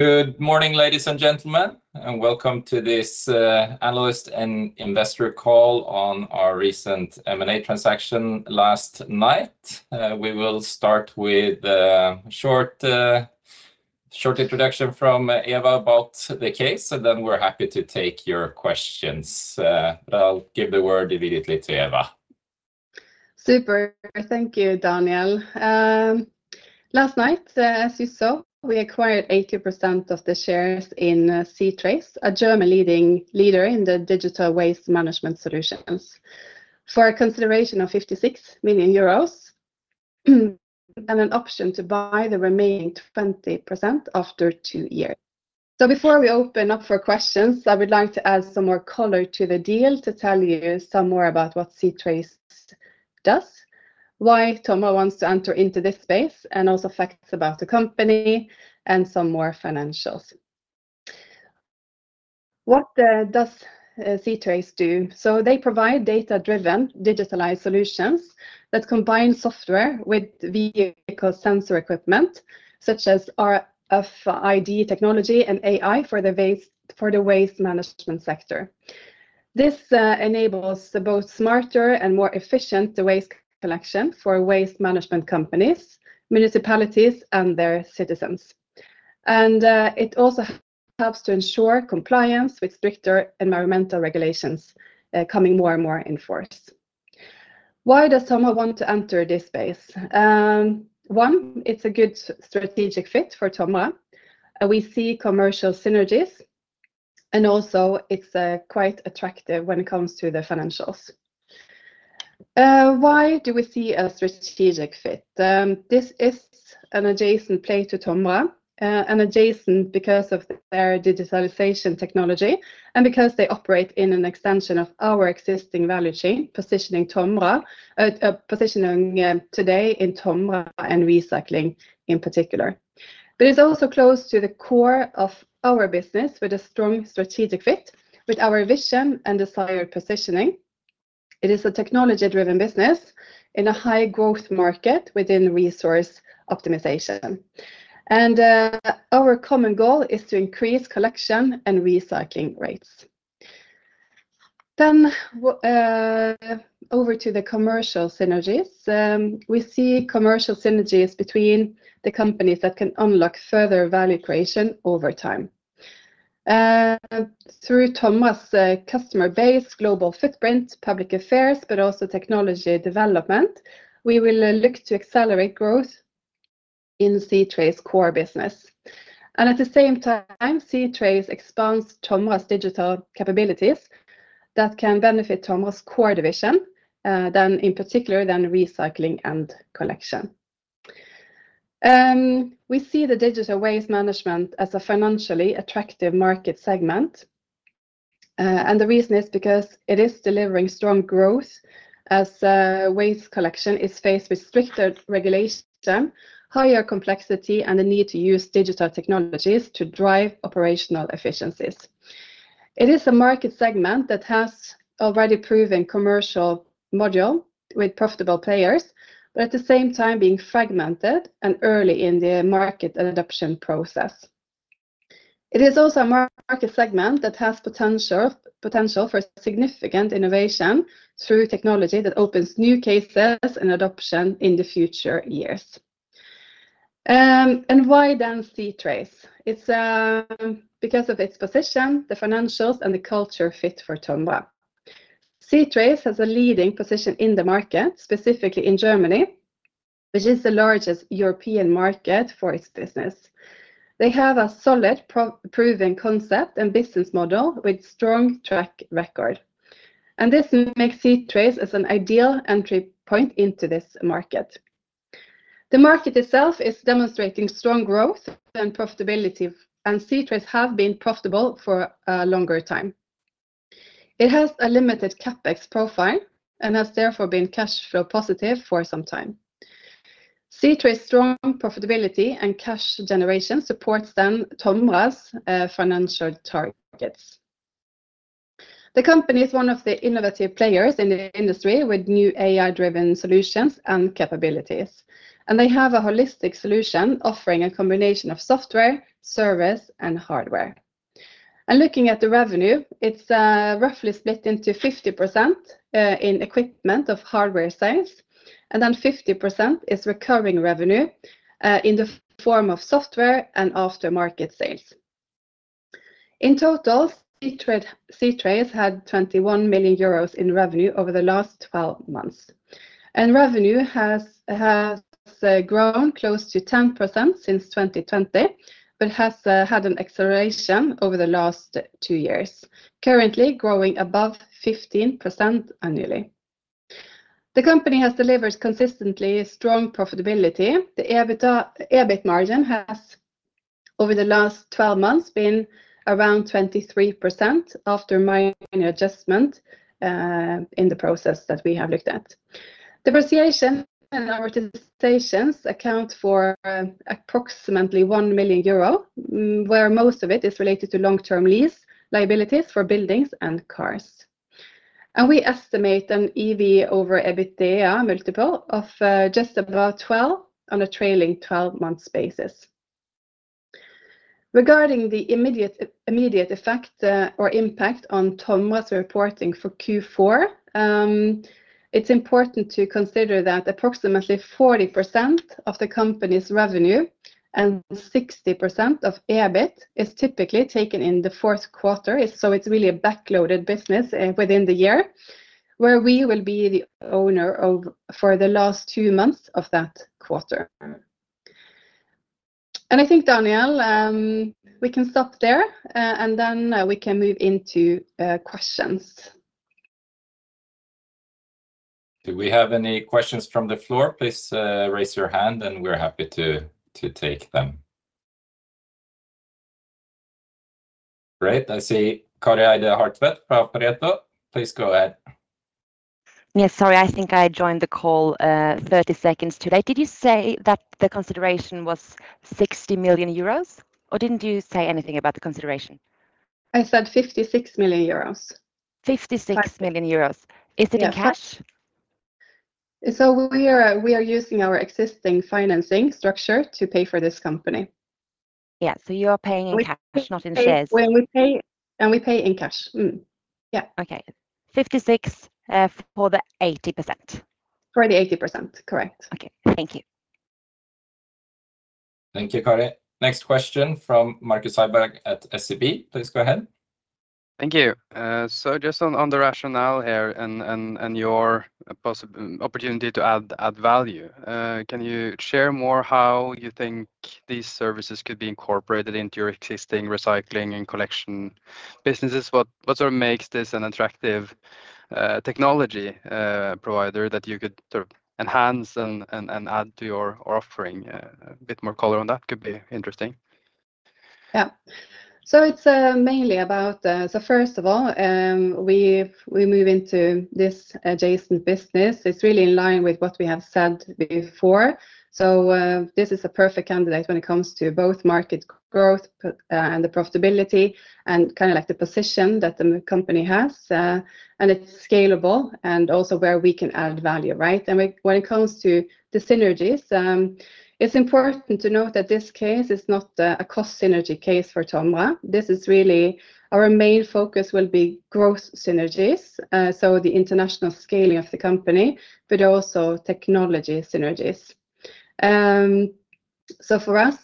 Good morning, ladies and gentlemen, and welcome to this analyst and investor call on our recent M&A transaction last night. We will start with a short introduction from Eva about the case, and then we're happy to take your questions. I'll give the word immediately to Eva. Super. Thank you, Daniel. Last night, as you saw, we acquired 80% of the shares in c-trace, a German leader in the digital waste management solutions, for a consideration of 56 million euros, and an option to buy the remaining 20% after two years. So before we open up for questions, I would like to add some more color to the deal to tell you some more about what c-trace does, why TOMRA wants to enter into this space, and also facts about the company and some more financials. What does c-trace do? So they provide data-driven, digitalized solutions that combine software with vehicle sensor equipment, such as RFID technology and AI for the waste management sector. This enables both smarter and more efficient waste collection for waste management companies, municipalities, and their citizens. It also helps to ensure compliance with stricter environmental regulations, coming more and more in force. Why does TOMRA want to enter this space? One, it's a good strategic fit for TOMRA. We see commercial synergies, and also it's quite attractive when it comes to the financials. Why do we see a strategic fit? This is an adjacent play to TOMRA, and adjacent because of their digitalization technology and because they operate in an extension of our existing value chain, positioning TOMRA today in TOMRA Recycling in particular. It's also close to the core of our business with a strong strategic fit with our vision and desired positioning. It is a technology-driven business in a high-growth market within resource optimization. Our common goal is to increase collection and recycling rates. Then, over to the commercial synergies. We see commercial synergies between the companies that can unlock further value creation over time. Through TOMRA's customer base, global footprint, public affairs, but also technology development, we will look to accelerate growth in c-trace's core business. And at the same time, c-trace expands TOMRA's digital capabilities that can benefit TOMRA's core division, then in particular, the recycling and collection. We see the digital waste management as a financially attractive market segment. And the reason is because it is delivering strong growth as waste collection is faced with stricter regulation, higher complexity, and the need to use digital technologies to drive operational efficiencies. It is a market segment that has already proven commercial model with profitable players, but at the same time being fragmented and early in the market and adoption process. It is also a market segment that has potential for significant innovation through technology that opens new cases and adoption in the future years. And why then c-trace? It's because of its position, the financials and the culture fit for TOMRA. c-trace has a leading position in the market, specifically in Germany, which is the largest European market for its business. They have a solid proven concept and business model with strong track record. And this makes c-trace as an ideal entry point into this market. The market itself is demonstrating strong growth and profitability, and c-trace have been profitable for a longer time. It has a limited CapEx profile and has therefore been cash flow positive for some time. c-trace strong profitability and cash generation supports then TOMRA's financial targets. The company is one of the innovative players in the industry with new AI-driven solutions and capabilities, and they have a holistic solution offering a combination of software, service, and hardware. Looking at the revenue, it's roughly split into 50% in equipment or hardware sales, and then 50% is recurring revenue in the form of software and aftermarket sales. In total, c-trace had 21 million euros in revenue over the last 12 months, and revenue has grown close to 10% since 2020, but has had an acceleration over the last 2 years, currently growing above 15% annually. The company has delivered consistently strong profitability. The EBITDA, EBIT margin has, over the last 12 months, been around 23% after minor adjustment in the process that we have looked at. Depreciation and amortizations account for approximately 1 million euro, where most of it is related to long-term lease liabilities for buildings and cars. And we estimate an EV over EBITDA multiple of just about 12 on a trailing 12-month basis. Regarding the immediate effect or impact on TOMRA's reporting for Q4, it's important to consider that approximately 40% of the company's revenue and 60% of EBIT is typically taken in the fourth quarter. So it's really a backloaded business within the year, where we will be the owner of for the last two months of that quarter. And I think, Daniel, we can stop there, and then we can move into questions. Do we have any questions from the floor? Please, raise your hand, and we're happy to take them. Great. I see Kari Eide Hartvedt from Pareto. Please go ahead. Yes, sorry. I think I joined the call 30 seconds today. Did you say that the consideration was 60 million euros, or didn't you say anything about the consideration? I said 56 million euros. 56 million euros. Yeah. Is it in cash? So we are using our existing financing structure to pay for this company. Yeah, so you're paying in cash, not in shares? We pay in cash. Mm-hmm. Yeah. Okay. 56 for the 80%? For the 80%, correct. Okay, thank you. Thank you, Kari. Next question from Marcus Sandberg at SEB. Please go ahead. Thank you. So just on the rationale here and your opportunity to add value, can you share more how you think these services could be incorporated into your existing recycling and collection businesses? What sort of makes this an attractive technology provider that you could sort of enhance and add to your offering? A bit more color on that could be interesting. Yeah. So it's mainly about, so first of all, we move into this adjacent business. It's really in line with what we have said before, so this is a perfect candidate when it comes to both market growth and the profitability and kind of like the position that the company has, and it's scalable and also where we can add value, right? And when it comes to the synergies, it's important to note that this case is not a cost synergy case for TOMRA. This is really. Our main focus will be growth synergies, so the international scaling of the company, but also technology synergies, so for us,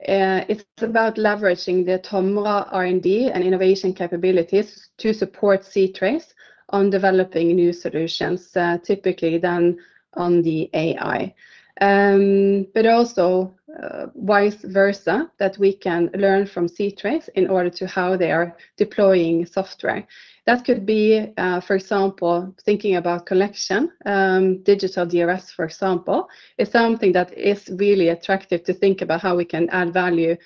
it's about leveraging the TOMRA R&D and innovation capabilities to support c-trace on developing new solutions, typically then on the AI. But also, vice versa, that we can learn from c-trace in order to how they are deploying software. That could be for example, thinking about collection. Digital DRS, for example, is something that is really attractive to think about how we can add value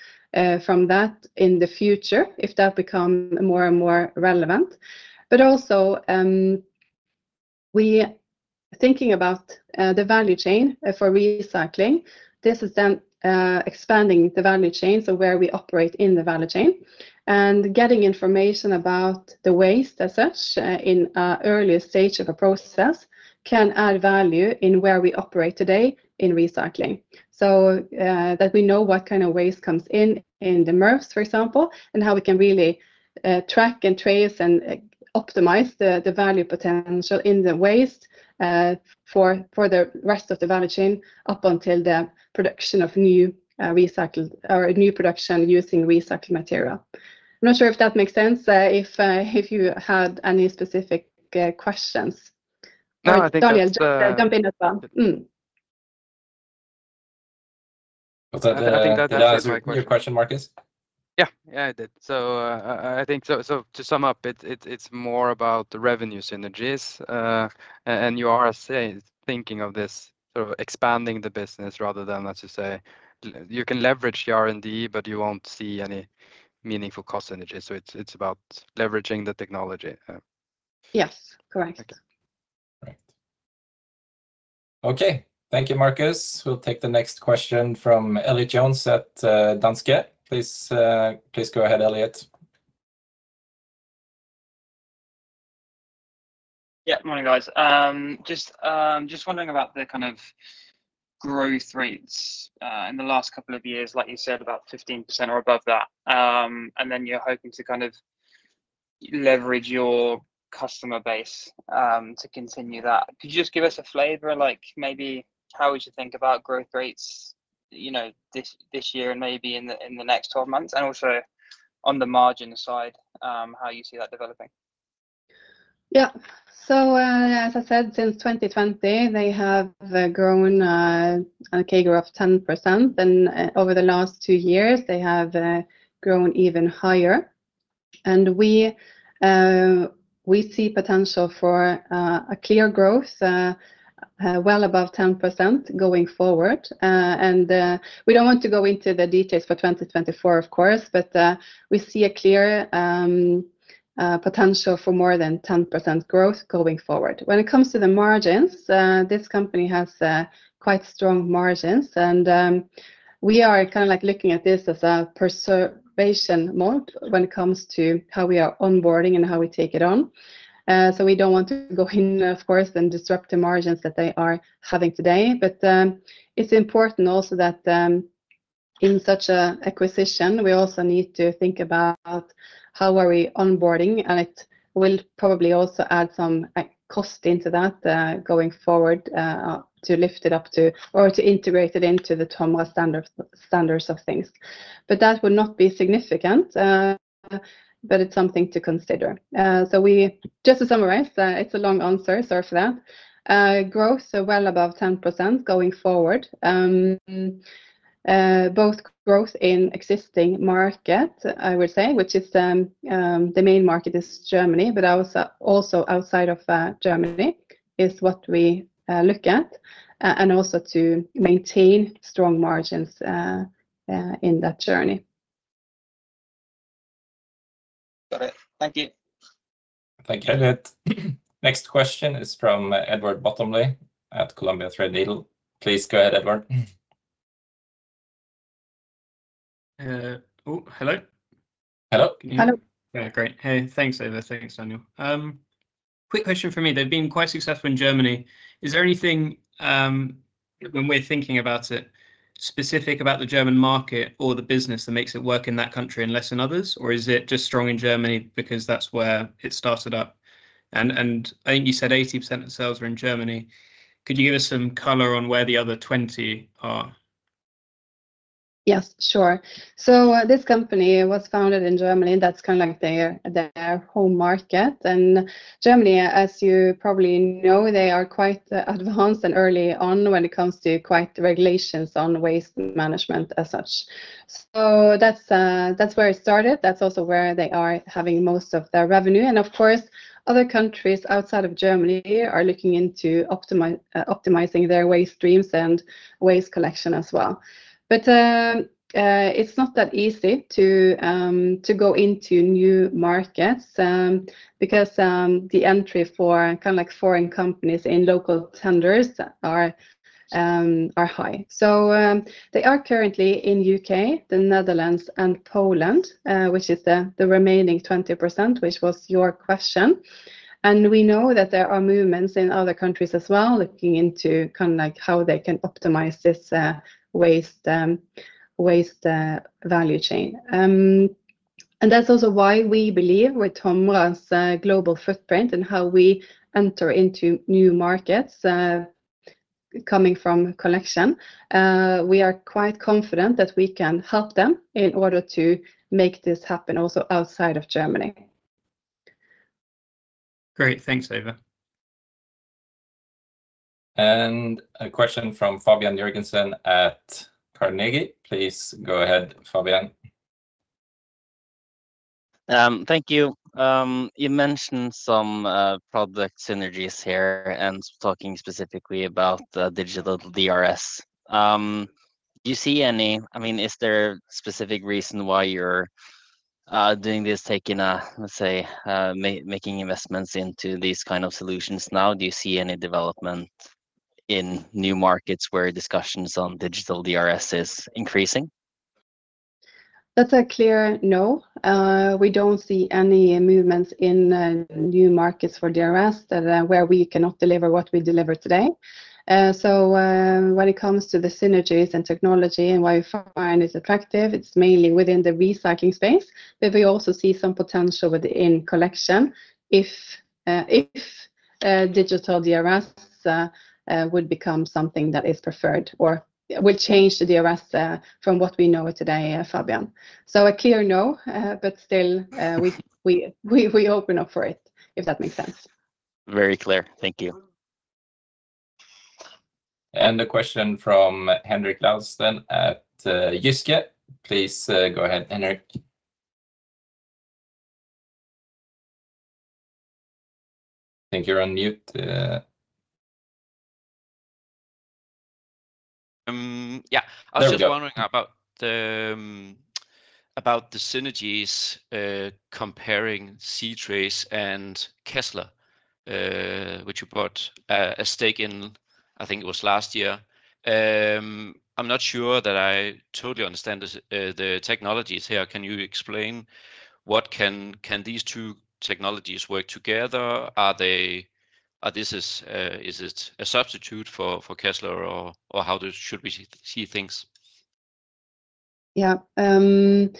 from that in the future if that become more and more relevant. But also, we thinking about the value chain for recycling. This is then expanding the value chain, so where we operate in the value chain, and getting information about the waste as such in a earlier stage of a process can add value in where we operate today in recycling. So, that we know what kind of waste comes in, in the MRFs, for example, and how we can really track and trace and optimize the value potential in the waste, for the rest of the value chain, up until the production of new recycled or new production using recycled material. I'm not sure if that makes sense, if you had any specific questions. No, I think that's. Daniel, jump in as well. Mm-hmm. I think that answers your question, Marcus? Yeah. Yeah, it did. So, I think so, to sum up, it's more about the revenue synergies, and you are, say, thinking of this sort of expanding the business rather than, as you say, you can leverage the R&D, but you won't see any meaningful cost synergies. So it's about leveraging the technology. Yes, correct. Okay. Great. Okay. Thank you, Marcus. We'll take the next question from Elliot Jones at Danske. Please go ahead, Elliot. Yeah, morning, guys. Just wondering about the kind of growth rates in the last couple of years, like you said, about 15% or above that. And then you're hoping to kind of leverage your customer base to continue that. Could you just give us a flavor, like maybe how we should think about growth rates, you know, this year and maybe in the next 12 months, and also on the margin side, how you see that developing? Yeah. So, as I said, since 2020, they have grown on a CAGR of 10%, and over the last two years, they have grown even higher. And we see potential for a clear growth well above 10% going forward. And we don't want to go into the details for 2024, of course, but we see a clear potential for more than 10% growth going forward. When it comes to the margins, this company has quite strong margins, and we are kind of like looking at this as a preservation mode when it comes to how we are onboarding and how we take it on. So we don't want to go in, of course, and disrupt the margins that they are having today. But it's important also that In such an acquisition, we also need to think about how are we onboarding, and it will probably also add some cost into that, going forward, to lift it up to or to integrate it into the TOMRA standards of things. But that would not be significant, but it's something to consider. So, just to summarize, it's a long answer, sorry for that. Growth are well above 10% going forward. Both growth in existing market, I would say, which is, the main market is Germany, but also outside of Germany is what we look at. And also to maintain strong margins in that journey. Got it. Thank you. Thank you. Next question is from Edward Bottomley at Columbia Threadneedle. Please go ahead, Edward. Oh, hello? Hello. Hello. Yeah, great. Hey, thanks, Eva. Thanks, Daniel. Quick question for me. They've been quite successful in Germany. Is there anything, when we're thinking about it, specific about the German market or the business that makes it work in that country and less than others? Or is it just strong in Germany because that's where it started up, and I think you said 80% of the sales are in Germany. Could you give us some color on where the other 20 are? Yes, sure. So, this company was founded in Germany, and that's kinda like their home market. And Germany, as you probably know, they are quite advanced and early on when it comes to strict regulations on waste management as such. So that's where it started. That's also where they are having most of their revenue. And of course, other countries outside of Germany are looking into optimizing their waste streams and waste collection as well. But, it's not that easy to go into new markets, because the entry for kinda like foreign companies and local tenders are high. So, they are currently in UK, the Netherlands, and Poland, which is the remaining 20%, which was your question. And we know that there are movements in other countries as well, looking into kinda like how they can optimize this waste value chain. And that's also why we believe with Tomra's global footprint and how we enter into new markets, coming from collection. We are quite confident that we can help them in order to make this happen also outside of Germany. Great. Thanks, Eva. A question from Fabian Jørgensen at Carnegie. Please go ahead, Fabian. Thank you. You mentioned some product synergies here and talking specifically about the Digital DRS. I mean, is there a specific reason why you're doing this, taking a, let's say, making investments into these kind of solutions now? Do you see any development in new markets where discussions on Digital DRS is increasing? That's a clear no. We don't see any movements in new markets for DRS where we cannot deliver what we deliver today. So when it comes to the synergies and technology and why we find it's attractive, it's mainly within the recycling space. But we also see some potential within collection if digital DRS would become something that is preferred or will change the DRS from what we know today, Fabian. So a clear no, but still, we open up for it, if that makes sense. Very clear. Thank you. And a question from Henrik Laustsen at Jyske. Please go ahead, Henrik. I think you're on mute. Um, yeah. There we go. I was just wondering about the synergies, comparing c-trace and Kezzler, which you bought a stake in, I think it was last year. I'm not sure that I totally understand the technologies here. Can you explain? Can these two technologies work together? Is this a substitute for Kezzler, or how should we see things? Yeah. Good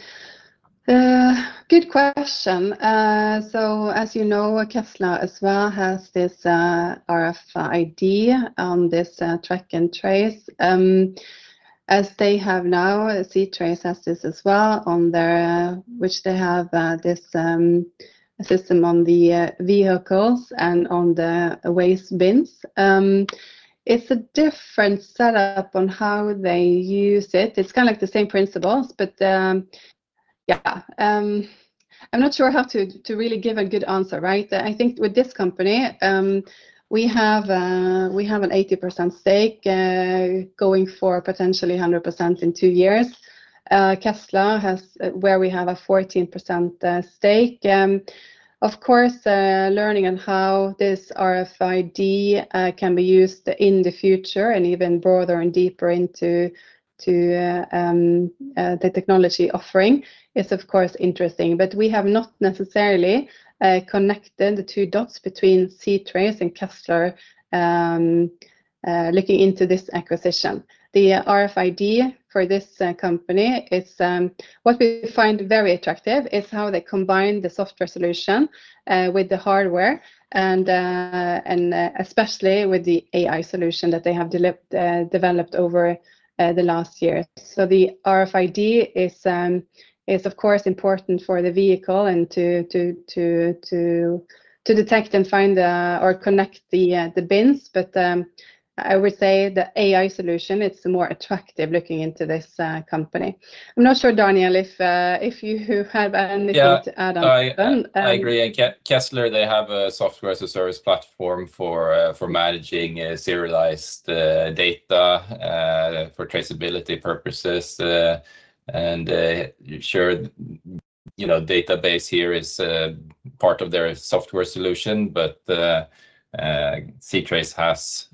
question. So as you know, Kezzler as well has this RFID, this track and trace. As they have now, c-trace has this as well on their, which they have, this system on the vehicles and on the waste bins. It's a different setup on how they use it. It's kinda like the same principles, but yeah. I'm not sure how to really give a good answer, right? I think with this company, we have an 80% stake, going for potentially 100% in two years. Kezzler has, where we have a 14% stake. Of course, learning on how this RFID can be used in the future and even broader and deeper into the technology offering is of course interesting. But we have not necessarily connected the two dots between c-trace and Kezzler looking into this acquisition. The RFID for this company is what we find very attractive is how they combine the software solution with the hardware and especially with the AI solution that they have developed over the last year. So the RFID is of course important for the vehicle and to detect and find or connect the bins. But I would say the AI solution, it's more attractive looking into this company. I'm not sure, Daniel, if you have anything to add on Yeah, I agree. And Kezzler, they have a software as a service platform for managing serialized data for traceability purposes. And sure, you know, database here is part of their software solution, but c-trace has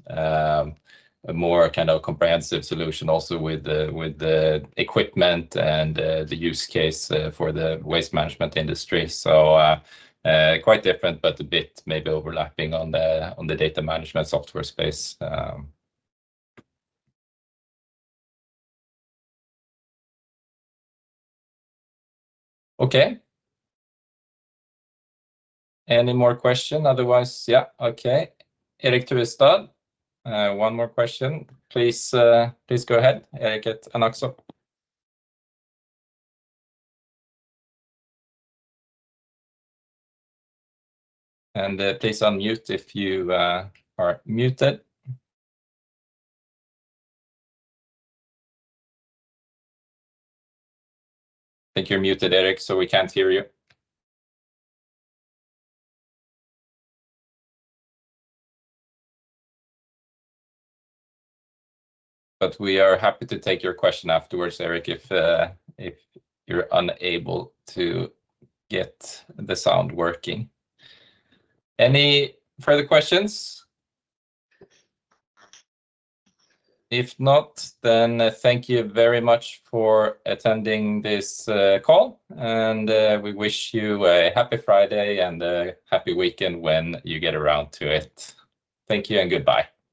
a more kind of comprehensive solution also with the equipment and the use case for the waste management industry. So quite different, but a bit maybe overlapping on the data management software space. Okay. Any more questions? Otherwise Yeah, okay. Eric Tvestad, one more question, please go ahead, Eric at Anaxo. And please unmute if you are muted. I think you're muted, Eric, so we can't hear you. But we are happy to take your question afterwards, Eric, if you're unable to get the sound working. Any further questions? If not, then thank you very much for attending this call, and we wish you a happy Friday and a happy weekend when you get around to it. Thank you and goodbye.